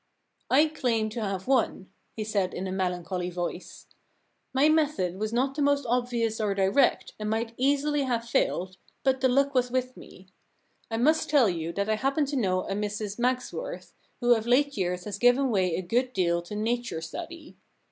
* I claim to have won,' he said in a melan choly voice. * My method was not the most obvious or direct, and might easily have failed, but the luck was with me. I must tell you that I happen to know a Mrs Mags worth, who of late years has given way a good deal to Nature Study.